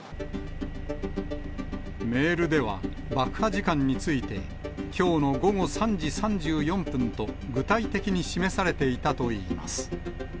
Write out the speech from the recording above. メールでは、爆破時間について、きょうの午後３時３４分と、具体的に示されていたといいます。